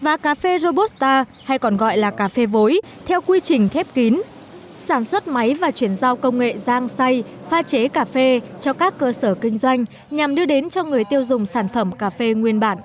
và cà phê robota hay còn gọi là cà phê vối theo quy trình khép kín sản xuất máy và chuyển giao công nghệ giang say pha chế cà phê cho các cơ sở kinh doanh nhằm đưa đến cho người tiêu dùng sản phẩm cà phê nguyên bản